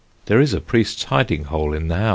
There is a priest's hiding hole in the house.